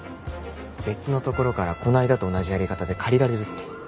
別のところからこの間と同じやり方で借りられるって。